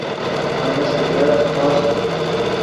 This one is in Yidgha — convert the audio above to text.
مولو سگریٹ چے خوݰ